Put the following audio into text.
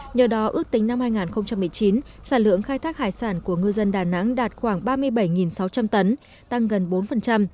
nhờ đó ước tính năm hai nghìn một mươi chín sản lượng khai thác hải sản của ngư dân đà nẵng đạt khoảng ba mươi bảy sáu trăm linh tấn tăng gần bốn